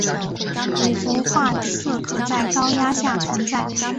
五氟化铯可在高压下存在。